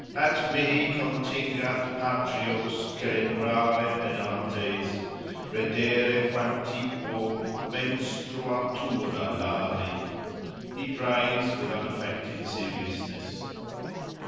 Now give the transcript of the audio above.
At mihi contingat patrios celebrare Penates, Reddereque antiquo menstrua thura Lari: —he prays, with unaffected seriousness.